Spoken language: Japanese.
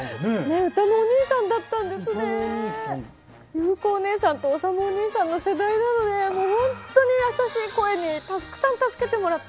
ゆう子お姉さんとおさむお兄さんの世代なのでもう本当に優しい声にたくさん助けてもらって。